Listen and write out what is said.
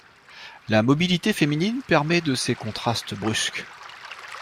La mobilité féminine permet de ces contrastes brusques.